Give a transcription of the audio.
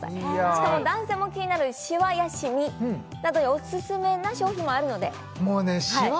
しかも男性も気になるシワやシミなどにオススメな商品もあるのでもうねシワ